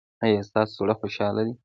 ایا ستاسو زړه خوشحاله دی؟